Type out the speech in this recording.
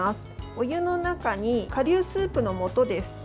お湯の中に顆粒スープのもとです。